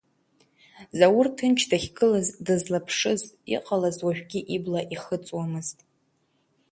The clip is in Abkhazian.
Заур ҭынч дахьгылаз, дызлаԥшыз, иҟалаз уажәгьы ибла ихыҵуамызт.